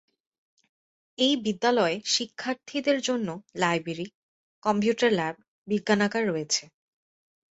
এই বিদ্যালয়ে শিক্ষার্থীদের জন্য লাইব্রেরী, কম্পিউটার ল্যাব, বিজ্ঞানাগার রয়েছে।